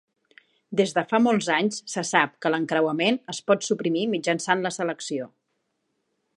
Des de fa molts anys se sap que l'encreuament es pot suprimir mitjançant la selecció.